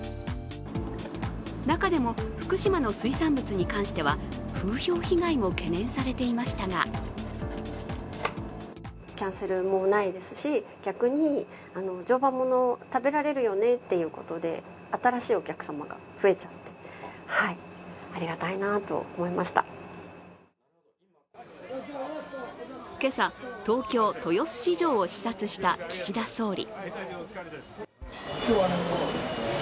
中でも福島の水産物に関しては風評被害も懸念されていましたが今朝、東京・豊洲市場を視察した岸田総理。